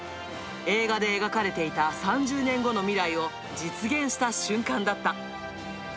映画で描かれていた３０年後の未来を実現した瞬間だった。